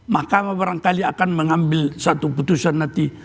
mahkamah barangkali akan mengambil satu putusan nanti